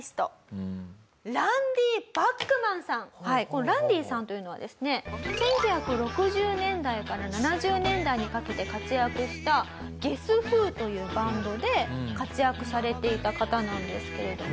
このランディさんというのはですね１９６０年代から７０年代にかけて活躍したゲス・フーというバンドで活躍されていた方なんですけれども。